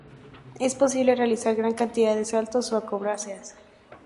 Es posible realizar gran cantidad de saltos o "acrobacias".